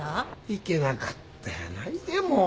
いけなかったやないでもう。